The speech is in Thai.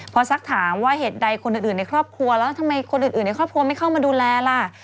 พอสักถามว่าเหตุใดคนอื่นในครอบครัวแล้วทำไมคนอื่นในครอบครัวไม่เข้ามาดูแลล่ะ